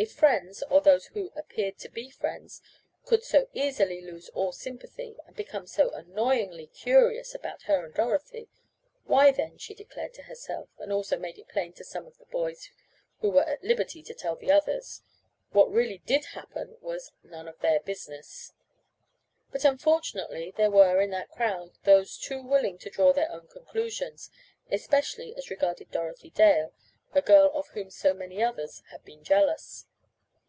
If friends, or those who appeared to be friends, could so easily lose all sympathy, and become so annoyingly curious about her and Dorothy, why then, she declared to herself (and also made it plain to some of the boys who were at liberty to tell the others), what really did happen "was none of their business." But unfortunately there were, in that crowd, those too willing to draw their own conclusions, especially as regarded Dorothy Dale, a girl of whom so many others had been jealous.